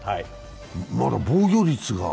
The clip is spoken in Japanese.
まだ防御率が。